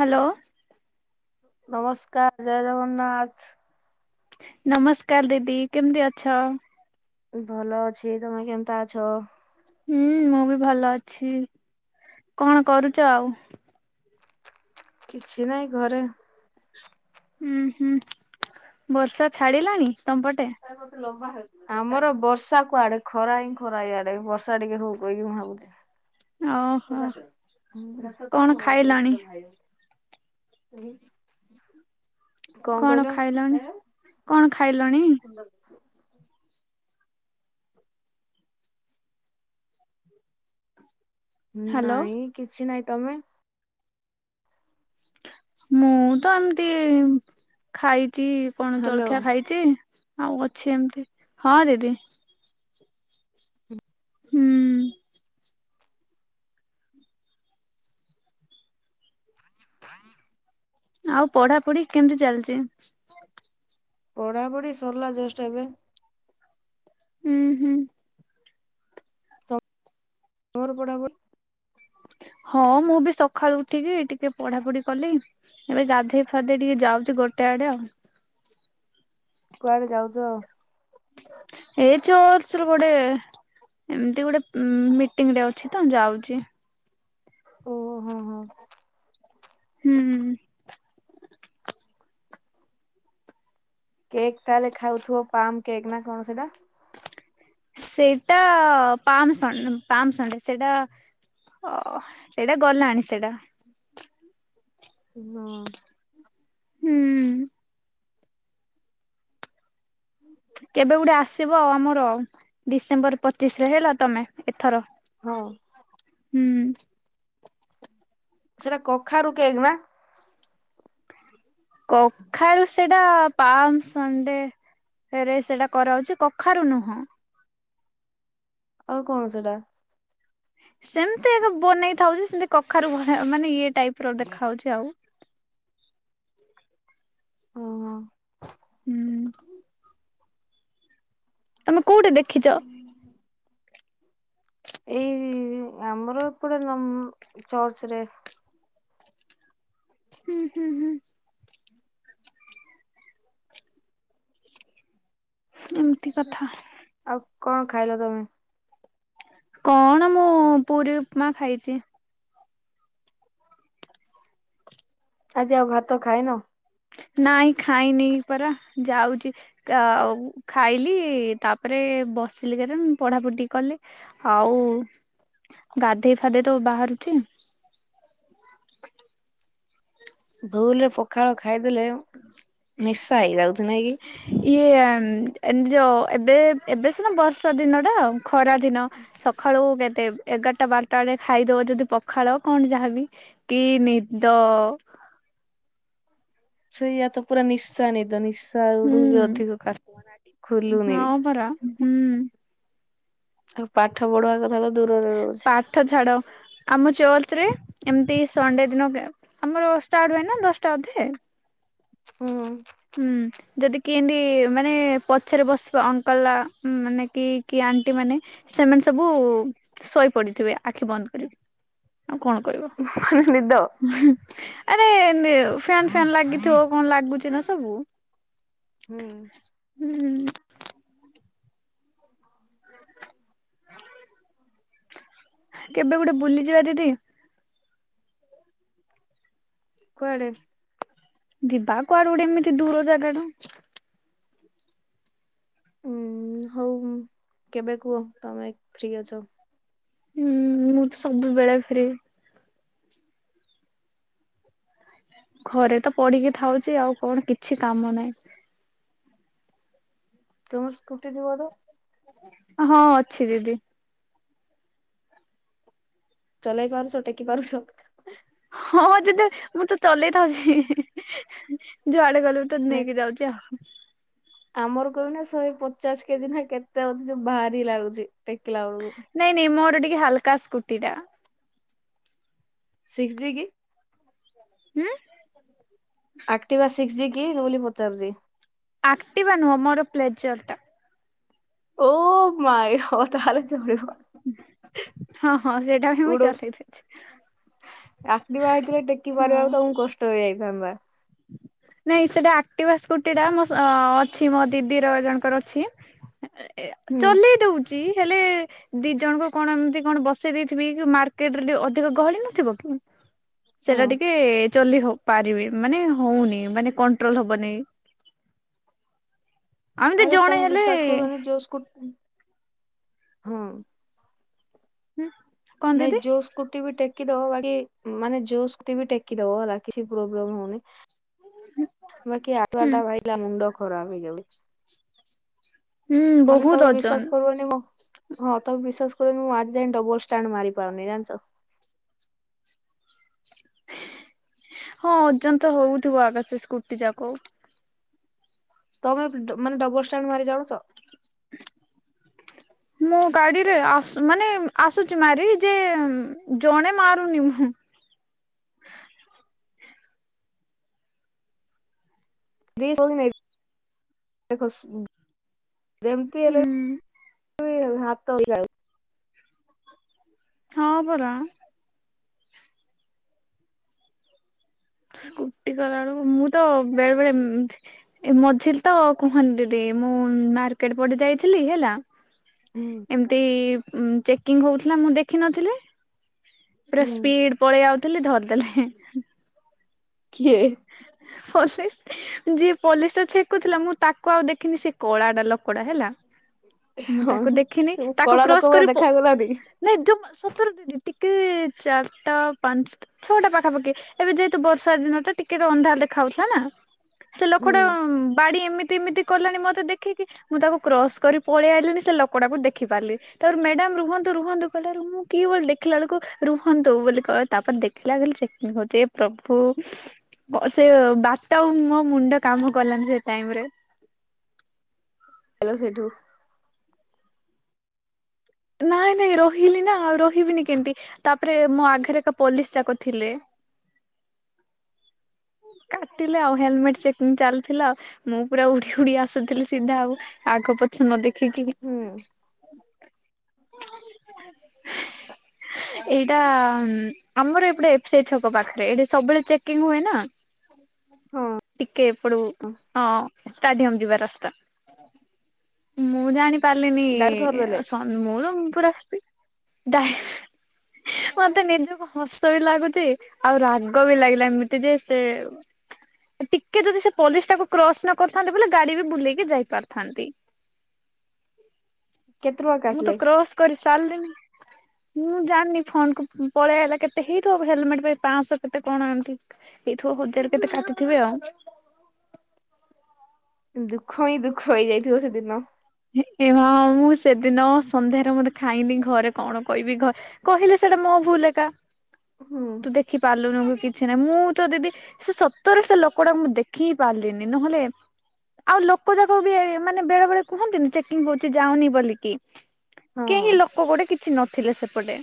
Hello. ନମସ୍କାର ଜୟ ଜଗନ୍ନାଥ। ନମସ୍କାର ଦିଦି କେମିତି ଅଛ? ମୁଁ ଭଲ ଅଛି ତମେ କେନ୍ତା ଅଛ? ହୁଁ ମୁଁ ବି ଭଲ ଅଛି, କଣ କରୁଚ ଆଉ? କିଛି ନାହିଁ ଘରେ। ହୁଁ, ହୁଁ, ବର୍ଷା ଛାଡିଲାଣି ତମ ପଟେ? ଏଠି ମତେ ଲମ୍ବା ହେଉଛି। ଆମର ବର୍ଷା କୁଆଡେ ଖରା ହିଁ ଖରା ଇଆଡେ ବର୍ଷା ଟିକେ ହଉ କହିକି ମୁଁ ଭାବୁଥିଲି। ଓହୋ କଣ ଖାଇଲଣି? [inaudible] ଧିକ୍ [inaudible] କଣ ଖାଇଲଣି, କଣ ଖାଇଲଣି? ସୁନ୍ଦରଛି। [inaudible] ହ୍ୟାଲୋ ନାଇଁ କିଛି ନାଇଁ ତମେ? [unintelligible] ମୁଁ ତ ଏମିତି ଖାଇଚି। କଣ ହ୍ୟାଲୋ ଜଳଖିଆ ଖାଇଛି ଆଉ ଅଛି ଏମିତି ହଁ ଦିଦି। ହୁଁ। [inaudible] ଆଉ ପଢା ପଢି କେମିତି ଚାଲିଚି? ପଢାପଢି ସରିଲା ଜଷ୍ଟ ଏବେ। ହୁଁ, ହୁଁ। ତୋର ପଢା ପଢ଼ି? ହଁ ମୁଁ ବି ସକାଳୁ ଉଠିକି ଟିକେ ପଢା ପଢି କଲି। ଏବେ ଗାଧେଇ ଫାଧେଇ ଟିକେ ଯାଉଚି ଗୋଟେ ଆଡେ ଆଉ। କୁଆଡେ ଯାଉଚ? ଏଇ ଯୋଉ ଏଥିରୁ ପଡେ। ଏମିତି ଗୋଟେ ମିଟିଂ ରେ ଅଛି ତ ଯାଉଚି। ଓହୋ ହଁ, ହଁ। ହୁଁ, ହୁଁ। କେକ୍ ତାହେଲେ ଖାଉଥିବ ପାମ୍ କେକ୍ ନା କଣ ସେଟା? ସେଇଟା ପାମ୍ ପାମସଣ୍ଡ ପାମସଣ୍ଡ ସେଇଟା ଓ ସେଇଟା ଗଲାଣି ସେଇଟା? ହଁ। ହୁଁ। କେବେ ଗୋଟେ ଆସିବ ଆମର ଡିସେମ୍ବର ପଚିଶ ରେ ହେଲା ତମେ ଏଥର। ହଁ। ହୁଁ। ସେଟା କଖାରୁ କେକ୍ ନା। କଖାରୁ ସେଟା ପାମ ସଣ୍ଡେ ରେ ସେଟା କରାହେଛି କଖାରୁ ନୁହଁ। ଆଉ କଣ ସେଇଟା? ସେମିତି ଏକ ବନେଇଥାଉଛି ସେମିତି କଖାରୁ ମାନେ ଇଏ ଟାଇପ ର ଦେଖାଯାଉଛି ଆଉ। ହଁ। ହୁଁ। ତମେ କୋଉଠି ଦେଖିଛ? ଏଇ ଆମର ଏ ପଡେ ନମ ଚର୍ଚ୍ଚ ରେ। ହୁଁ ହୁଁ ହୁଁ। ଏମିତି କଥା। ଆଉ କଣ ଖାଇଲ ତମେ? କଣ ମୁଁ ପୁରୀ ଉପମା ଖାଇଚି। ଆଜି ଆଉ ଭାତ ଖାଇନ? ନାଇଁ ଖାଇନି ପରା ଯାଉଚି। ତ ଆଉ ଖାଇଲି ତାପରେ ବସିଲି କେତେ ପଢାପଢି ଟିକେ କଲି। ଆଉ ଗାଧୋଇ ଫାଧେଇ ତ ବାହାରୁଚି। ଭୁଲରେ ପଖାଳ ଖାଇଦେଲେ ନିଶା ହେଇଯାଉଚି ନାଇଁ କି? ଇଏ ଏ ଏମତି ଯୋଉ ଏବେ ଏବେ ସିନା ବର୍ଷା ଦିନ ଟା ଆଉ। ଖରା ଦିନ ସକାଳୁ କେତେ? ଏଗାରଟା ବାରଟା ବେଳେ ଖାଇଦବ ଯଦି ପଖାଳ କଣ ଯାହାବି କି ନିଦ? ସେଇୟା ତ ପୁରା ନିଶା ନିଦ। ନିଶା ଆଡୁ ହୁଁ ବି ଅଧିକ [inaudible] ଟିକ ଖୋଲୁନି ବି। ହଁ ପରା ହୁଁ। ଆଉ ପାଠ ପଢିବା କଥା ତ ଦୂରରେ ରହୁଚି। ପାଠ ଛାଡ଼। ଆମ ଚର୍ଚ୍ଚ ରେ ଏମିତି ସଣ୍ଡେ ଦିନ ଆମର ଷ୍ଟାର୍ଟ ହୁଏନା ଦଶଟା ଅଧେ। ହୁଁ। ହୁଁ। ଯଦି କି ଏମତି ମାନେ ପଛରେ ବସିବ ଅଙ୍କଲ ମାନେ କି କି ଆଣ୍ଟି ମାନେ ସେମାନେ ସବୁ ଶୋଇ ପଡିଥିବେ ଆଖି ବନ୍ଦ କରି। ଆଉ କଣ କରିବ? ମାନେ ନିଦ ଆରେ ନ ଫେନ ଫାନ୍ ଲାଗି ଥିବ। କଣ ଲାଗୁଚି ନା ସବୁ? ହୁଁ। ହୁଁ। କେବେ ଗୋଟେ ବୁଲିଯିବା ଦିଦି? କୁଆଡେ? ଯିବା କୁଆଡେ ଗୋଟେ ଏମିତି ଦୂର ଜାଗା ଟା। ଉଁ ହଉ କେବେ କୁହ ତମେ ଫ୍ରି ଅଛ? ହୁଁ ମୁଁ ତ ସବୁବେଳେ ଫ୍ରି। ଘରେ ତ ପଡିକି ଥାଉଚି। ଆଉ କଣ କିଛି କାମ ନାହିଁ। ତୁମର ସ୍କୁଟି ଥିବ ତ? ହଁ ଅଛି ଦିଦି। ଚଲେଇ ପାରୁଚ ଟେକି ପାରୁଚ? ହଁ ଦିଦ ମୁଁ ତ ଚଲେଇଥାଉଚି। ଯୁଆଡେ ଗଲେ ତ ମାନେ ନେଇକି ଯାଉଚି ଆଉ। ଆମର କହ ନା ଶହେ ପଚାଶ କେଜି ନା କେତେ ଅଛି ଯୋ ଭାରି ଲାଗୁଚି ଟେକିଲା ବେଳକୁ। ନାଇଁ ନାଇଁ ମୋର ଟିକେ ହାଲକା ସ୍କୁଟି ଟା। ସିକ୍ସ ଜି କି? ହୁଁ? ଆକ୍ଟିଭା ସିକ୍ସ ଜି କି ବୋଲି ପଚାରୁଚି? ଆକ୍ଟିିବା ନୁହଁ ମୋର ପ୍ଲେଜର ଟା। ଓ ମାଇ ଗଡ ତାହେଲେ ଚଳିବ। ହଁ ହଁ ସେଇଟା ହିଁ ମୁଁ ଚଲେଇ ଦଉଚି। ଆଖ୍ରିବା ହେଇଥିଲେ ଟେକି ହଁ ପାରିବାକୁ ତମୁକୁ କଷ୍ଟ ହେଇଯାଇଥାନ୍ତା। ନାଇଁ ସେଟା ଆକ୍ଟିଭା ସ୍କୁଟି ଟା ମୋ ସ ଅଛି ମୋ ଦିଦିର ଜଣଙ୍କର ଅଛି। ହୁଁଏ -ଏ -ଆ ହୁଁ। ଚଲେଇ ଦୋଉଚି ହେଲେ ଦି ଜଣଙ୍କୁ କଣ ଏମିତି କଣ ବସେଇ ଦେଇଥିବି ଯୋଉ ମାର୍କେଟ୍ ରେ ଟିକେ ଅଧିକ ଗହଳି ନଥିବ କି? ହଁ ସେଇଟା ଟିକେ ଚଲେଇ ହବ ପାରିବି ମାନେ ହୋଉନି ମାନେ କଣ୍ଟ୍ରୋଲ ହବନେଇଁ। ଆମେ ତ ଆରେ ଜଣେ ତମେ ବିଶ୍ଵାସ ହେଲେ କରିବନି ଯୋଉ ସ୍କୁ ହୁଁ କଣ ନାଇଁ ଦିଦି ଯୋସ୍ କୁଟି ବି ଟେକି ଦବ ବାକି ମାନେ ଯୋଉ ସ୍କୁଟି ବି ଟେକି ଦବ ହେଲା କିଛି ପ୍ରୋବ୍ଲେମ ହୋଉନେଇଁ। ବାକି ଆଟୁ ହୁଁ ଆଟା ଭାଇଲା ମୁଣ୍ଡ ଖରାପ୍ ହେଇ ଯାଉଛି। ହୁଁ ମାନେ ବହୁତ ତମେ ବିଶ୍ଵାସ୍ ଓଜନ କର୍ବନେଇଁ ମ ହଁ ତମେ ବିଶ୍ୱାସ କରିବନି ମୁଁ ଆଜି ଯାଏଁ ଡବଲ୍ ଷ୍ଟାଣ୍ଡ ମାରି ପାରୁନେଇଁ ଜାଣିଚ? ହଁ ଓଜନ୍ ତ ହୋଉଥିବ ଆଗ ସେ ସ୍କୁଟି ଟାକୁ। ତମେ ଡ ମାନେ ଡବଲ୍ ଷ୍ଟାଣ୍ଡ ମାରି ଜାଣୁଚ? [inaudible] ମୋ ଗାଡିରେ ଆସୁ ମାନେ ଆସୁଛି ମାରି ଯେ ଜଣେ ମାରୁନି ମୁଁ। ଦି ସୋଉଣୀ ନେଇ ଦେଖ ସ୍ ଯେମ୍ତି ହେଲେ ହୁଁ ଉଇ ହା ଭାତ ବି ଗାଳୁ ହଁ ପରା। ସ୍କୁୁଟି କଲା ବେଳୁକୁ ମୁଁ ତ ବେଳେ ବେଳେ ଏମ୍ ଏ ମଝିରେ ତ କୁହନ୍ତି ଦିଦି ମୁଁ ମାର୍କେଟ ପଡି ଯାଇଥିଲି ହେଲା। ହୁଁ। ତି ଉଁ ଚେକିଂ ହୋଉଥିଲା ମୁଁ ଦେଖିନଥିଲି ପୁରା ହୁଁ ସ୍ପିଡ ପଳେଇ ଆଉଥିଲି ଧରିଦେଲେ ହେଁ। କିଏ? ହୋ ସେ ଯିଏ ପଲିସ୍ ରେ ଛେକୁଥିଲା ମୁଁ ତାକୁ ଆଉ ଦେଖିନି ସେ କଳାଟା ଲୋକଟା ହେଲା। ମୁଁ ହଁ ତାକୁ ଦେଖିନଇଁ ସବୁ ତାକୁ କଳା ଲୋକ କ୍ରସ୍ ପୁରା କରି ପ ଦେଖାଗଲାନି ନାଇଁ ଜମା ସତରେ ଦିଦି ଟିକେ ଚାର୍ଟା ପାନ୍ସଟା। ଛଅ ଟା ପାଖାପାଖି ଏବେ ଯେହେତୁ ବର୍ଷା ଦିନଟା ଟିକେ ରୁ ଅନ୍ଧାୟ ଦେ ଖାଉଥିଲା ନା ସେ ହୁଁ ଲୋଖଟା ବାଡି ଇମିତି ଇମିତି କଲାଣି ମତେ ଦେଖିକି ମୁଁ ତାକୁ କ୍ରସ୍ କରି ପଳେଇ ଆଇଲିଣିି ସେ ଲୋକଟାକୁ ଦେଖି ପାରିଲି। ତାପରେ ମ୍ୟାଡାମ୍ ରୁହନ୍ତୁ ରୁହନ୍ତୁ। କଇଲା ରୁ ମୁଁ କିଏ ବୋଲି ଦେଖିଲା ଏଳୁକୁ ରୁହନ୍ତୁ ବୋଲି କ ତାପରେ ଦେଖିଲା ବେଲୁ ଚେକିଂ ହୋଉଛି ଏ ପ୍ରଭୁ। ପ ସେ ବାଟ ଆଉ ମୋ ମୁଣ୍ଡ କାମ କଲାନି ସେ ଟାଇମ୍ ରେ। ଏଲା ସେଠୁ ନାଇଁ ନାଇଁ ରହିଲି ନା ଆଉ ରହିବିନି କେମ୍ତି ତା ତାପ୍ରେ ମୋ ଆଘେରେ ତ ପୋଲିସ ଯାକ ଥିଲେ। କାଟିଲେ ଆଉ ହେଲମେଣ୍ଟ ଚେକିଂ ଚାଲିଥିଲା ଆଉ ମୁଁ ପୁରା ଉଡି ଉଡି ଆସୁ ଥିଲି ସିଧା ଆଉ, ଆଗ ପଛ ନ ଦେଖିକି। ହୁଁ [inaudible] ଏଇଟା ଆମର ଏପଟେ ଏ ଫ୍ ସି ଆ ଇ ଛକ ପାଖରେ ଏଠି ସବୁବେଳେ ଚେକିଂ ହୁଏ ନା। ହଁ ଟିକେ ଏପଟୁ ହଁ ଷ୍ଟାଡିୟମ୍ ଯିବା ରାସ୍ତା ମୁଁ ଜାଣି ପାରିଲିନି ଡାଇରେକ୍ଟ ଧରିଦେଲେ ସ ସଅଁ ମୁଁ ତ ପୁରା ଚିପିନି ଡାଇସ୍ ମତେ ନିଜୁକୁ ହସ ବି ଲାଗୁଚି, ଆଉ ରାଗ ବି ଲାଗିଲାଣି ମତେ ଯେ ସେ ତେ ଉଁ। ଟିକେ ଯଦି ସେ ପଲିସ ଟାକୁ କ୍ରସ ନ କରିଥାନ୍ତି ବୋଲେ ଗାଡିରେ ବି ବୁଲେଇକି ଯାଇ ପାରିଥାନ୍ତି। କେତେ ଟଙ୍କା ମୁଁ ତ କାଟିଲେ କ୍ରସ କରି ସାରିଲିନି। ମୁଁ ଜାଣିନି ଫୋନ କୁ ପଳେଇ ଆଇଲା କେତେ ହେଇଥିବ ହେଲମେଟ ପାଇଁ ପାଶହ କେତେ କଣ ଏମିତି। ହେଇଥିବ ହଜାରେ କେତେ କାଟିଥିବେ ଆଉ। ଦୁଃଖ ହିଁ ଦୁଃଖ ହେଇଯାଇଥିବ ସେଦିନ? ଏ ମା ମୁଁ ସେଦିନ ସନ୍ଧ୍ୟାରେ ମତେ ଖାଇନି ଘରେ କଣ କହିବି ଘ କହିଲେ ସେଇଟା ମୋ ଭୁଲ ଏକା। ହୁଁ। ତୁ ଦେଖି ପାରିଲୁନୁ କିଛି ନାଇଁ ମୁଁ ତ ଦିଦି ସେ ସତରେ ସେ ଲୋକଟା ମୁଁ ଦେଖି ହିଁ ପାରିଲିନି ନହେଲେ ଆଉ ଲୋକ ଯାକ ବି ଏ ମାନେ ବେଳେ ବେଳେ କୁହନ୍ତିନି ଚେକିଂ ହଉଛି ଯାଉନି ବୋଲିକି ହଁ କେହି ଲୋକ ଗୋଟେ କିଛି ନଥିଲେ ସେ ପଟେ।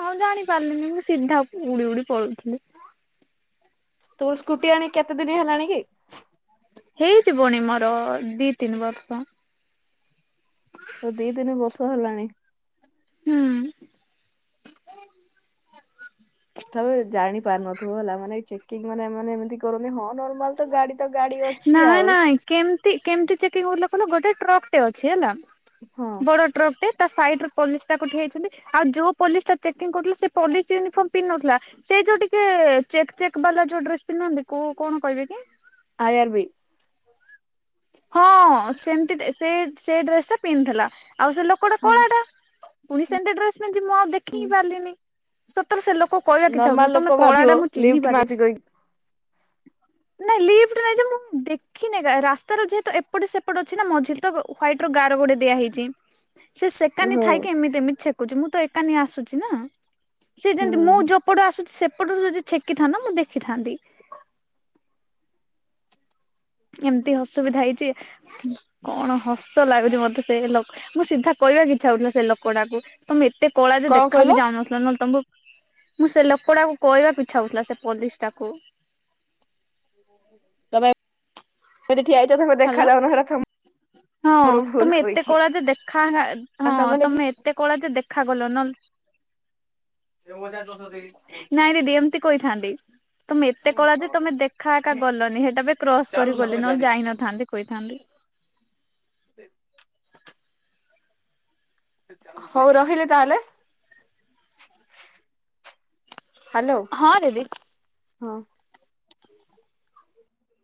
ମୁଁ ଆଉ ଜାଣି ପାରିଲିନି ମୁଁ ସିଧା ଉଡି ଉଡି ପଳଉଥିଲି। ତୋର ସ୍କୁଟି ଆଣି କେତେ ଦିନ ହେଲାଣି କି? ହେଇଯିବଣି ମୋର-ଅ-ଅ-ଅ ଦି ତିନି ବର୍ଷ। ଦି ତିନି ବର୍ଷ ହେଲାଣି। ହୁଁ। ତଥାପି ଜାଣି ପାରୁନଥିବୁ ହେଲା ମାନେ ଏଇ ଚେକିଂ ମାନେ ଏମାନେ ଏମିତି କରନ୍ତି ହଁ ନର୍ମାଲ ତ ଗାଡି ତ ଗାଡି ଅଛି ନା ଆଉ ନାଇଁ କେମିତି କେମିତି ଚେକିଂ ହେଉଥିଲା କହିଲ ଗୋଟେ ଟ୍ରକ ଟେ ଅଛି ହେଲା ହଁ ବଡ ଟ୍ରକଟେ ତା ସାଇଡରେ ପୋଲିସ ଟାକ ଠିଆ ହେଇଛନ୍ତି ଆଉ ଯୋଉ ପୋଲିସ ଟା ଚେକିଂ କରୁଥିଲା ସେ ପୋଲିସ ୟୁନିଫର୍ମ ପିନ୍ଧ୍ ନଥିଲା। ସେଇ ଯୋଉ ଟିକେ-ଏ-ଏ ଚେକ୍ ଚେକ୍ ବାଲା ଯୋଉ ଡ୍ରେସ ପିନ୍ଧନ୍ତି କୋଉ କଣ କହିବେ କି? I R B. ହଁ-ଅ-ଅ ସେମତି ଡେ ସେ ସେ ଡ୍ରେସ ଟା ପିନ୍ଧ୍ ଥିଲା ଆଉ ସେ ଲୋକଟା ହୁଁ କଳାଟା ପୁଣି ସେନ୍ତି ଡ୍ରେସ ପିନ୍ଧିଛି ମୁଁ ଆଉ ଦେଖି ହୁଁ ହିଁ ପାରିଲିନି ସତରେ ସେ ଲୋକ ପଳେଇବାକୁ ଇଚ୍ଛା ନର୍ମାଲ ହଉଥିଲା ତମେ ଲୋକ ଭାବିବ କଳାଟା ମୁଁ ଚିହ୍ନି ଲିଫ୍ଟ ପାରିଲିନି। ମାଗିଚି କହିକି ନାଇଁ ଲିଫ୍ଟ ନାଇଁ ଯେ ମୁଁ ଦେଖିନି ଆକା ରା ତାର ଯେହେତୁ ଏପଟ ସେପଟେ ଅଛି ନା ମଝିରେତ ହ୍ୱାଇଟ ର ଗାର ଗୋଟେ ଦିଆ ହେଇଛି। ସେ ସେକାନି ହଁ ଥାଇକି ଏମିତି ଏମିତି ଛେକୁଛି ମୁଁ ତ ଏକାନି ଆସୁଛି ନା ସେ ହୁଁ ଯେମିତି ମୁଁ ଜଉ ଏପଟେ ଆସୁଛି ସେପଟରୁ ଯଦି ଛେକିଥାନ୍ତା ମୁଁ ଦେଖିଥାନ୍ତି। ଏମିତି ଅସୁବିଧା ହେଇଛି କଣ ହସ ଲାଗୁଛି ମତେ। ପେରେ ଲୋକ ମୁଁ ସିଧା କହିବାକୁ ଇଚ୍ଛା ହଉଥିଲା ସେ ଲୋକ ଟାକୁ ତମେ ଏତେ କଳା ଯେ କଣ ଦେଖା କହିଲ ବି ଯାଉନ। [unintelligible] ମୁଁ ସେ ଲୋକଟାକୁ କହିବାକୁ ଇଛା ହଉଥିଲା ସେ ପୋଲିସଟାକୁ ତମେ ଏମିତି ଠିଆ ହେଉଛ ତମେ ଦେଖା ହ୍ୟାଲୋ। ଯାଉନ ହେଟା [unintelligible] ହଁ ତମେ ଏତେ କଳା ଯେ ଦେଖା ଯା ହଁ ତମେ ଏତେ କଳା ଯେ ଦେଖାଗଲ ନ [unintelligible] ନାଇଁ ଦିଦି ଏମିତି କହିଥାନ୍ତି। ତମେ ଏତେ କଳା ଯେ ତମେ ଦେଖା ଏକା ଗଲନି ହେଟା ପାଇଁ କ୍ରସ କରି ଗଲି ନହେଲେ ଯାଇନଥାନ୍ତି କହିଥାନ୍ତି। ହଉ ରହିଲି ତାହେଲେ। ହ୍ୟାଲୋ ହଁ ଦିଦି। ହଁ।